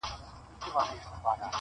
د پردیو په کوڅه کي ارمانونه ښخومه-